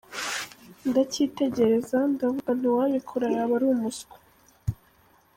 ndacyitegereza, ndavuga nti uwabikora yaba ari umuswa.